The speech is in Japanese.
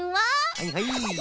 はいはい。